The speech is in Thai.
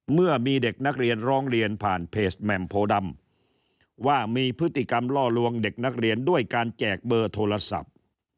เมื่อมีเด็กนักเรียนร้องเรียนผ่านเพจแหม่มโพดำว่ามีพฤติกรรมล่อลวงเด็กนักเรียนด้วยการแจกเบอร์โทรศัพท์